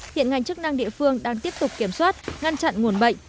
hiện ngành chức năng địa phương đang tiếp tục kiểm soát ngăn chặn nguồn bệnh